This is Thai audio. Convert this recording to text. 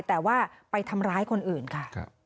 แต่ว่าไปทำร้ายคนอื่นค่ะ